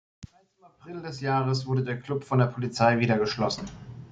Bereits im April des Jahres wurde der Club von der Polizei wieder geschlossen.